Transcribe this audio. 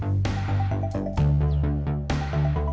lalu kita akan mencoba menggunakan sarung tangan